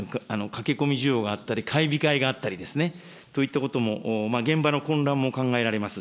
駆け込み需要があったり、買い控えがあったりといったことも、現場の混乱も考えられます。